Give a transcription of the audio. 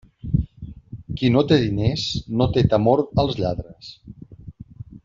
Qui no té diners no té temor als lladres.